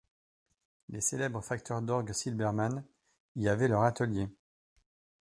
Les célèbres facteurs d'orgue Silbermann y avaient leur atelier.